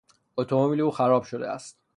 اتومبیل او خراب شده است.